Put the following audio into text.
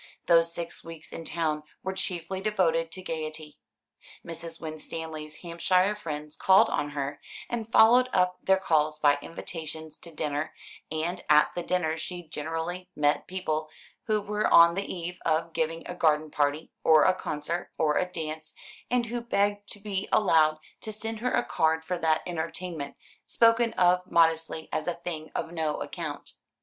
Those six weeks in town were chiefly devoted to gaiety. Mrs. Winstanley's Hampshire friends called on her, and followed up their calls by invitations to dinner, and at the dinners she generally met people who were on the eve of giving a garden party, or a concert, or a dance, and who begged to be allowed to send her a card for that entertainment, spoken of modestly as a thing of no account.